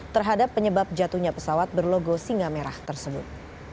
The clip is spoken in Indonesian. terhadap penyebab jatuhnya pesawat berlogo singa merah tersebut